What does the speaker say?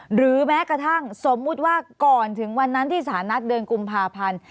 หรือแม้กระทั่งสมมุติว่าก่อนถึงวันนั้นที่สารนัดเดือนกุมภาพันธ์